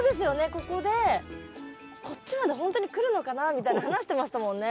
ここでこっちまでほんとにくるのかなみたいに話してましたもんね。